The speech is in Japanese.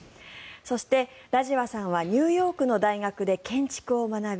そして、ラジワさんはニューヨークの大学で建築を学び